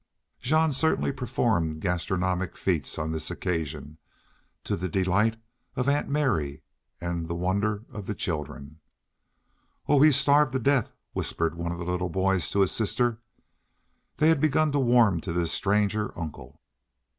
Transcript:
Jean certainly performed gastronomic feats on this occasion, to the delight of Aunt Mary and the wonder of the children. "Oh, he's starv ved to death," whispered one of the little boys to his sister. They had begun to warm to this stranger uncle.